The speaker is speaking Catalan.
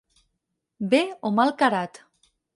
Bé o mal carat.